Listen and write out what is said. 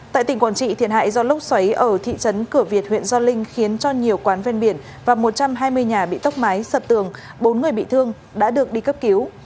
tại tỉnh quảng trị thiệt hại do lốc xoáy ở thị trấn cửa việt huyện gio linh khiến cho nhiều quán ven biển và một trăm hai mươi nhà bị tốc mái sập tường bốn người bị thương đã được đi cấp cứu